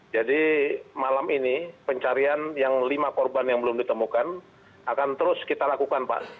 jadi malam ini pencarian yang lima korban yang belum ditemukan akan terus kita lakukan pak